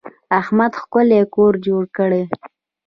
احمد ښکلی کور جوړ کړی.